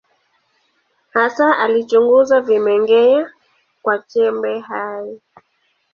Hasa alichunguza vimeng’enya vya chembe hai.